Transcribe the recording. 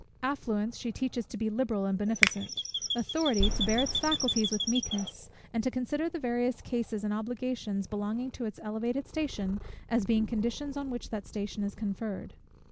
Affluence she teaches to be liberal and beneficent; authority, to bear its faculties with meekness, and to consider the various cares and obligations belonging to its elevated station, as being conditions on which that station is conferred.